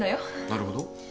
なるほど。